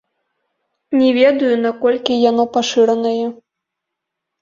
Не ведаю, наколькі яно пашыранае.